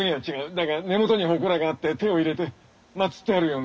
だが根元に祠があって手を入れて祀ってあるような。